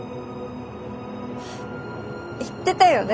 言ってたよね